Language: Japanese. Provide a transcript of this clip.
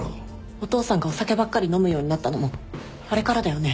お父さんがお酒ばっかり飲むようになったのもあれからだよね？